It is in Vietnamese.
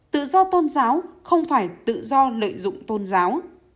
tự do tôn giáo không phải tự do lợi dụng tôn giáo